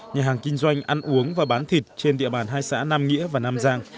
nhà hàng kinh doanh ăn uống và bán thịt trên địa bàn hai xã nam nghĩa và nam giang